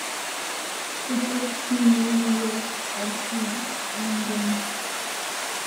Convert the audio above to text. The first teen winner was Ashley Anglin.